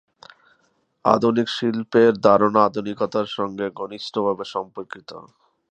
আধুনিক শিল্পের ধারণা আধুনিকতার সঙ্গে ঘনিষ্ঠভাবে সম্পর্কিত।